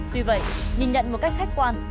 tuy vậy nhìn nhận một cách khách quan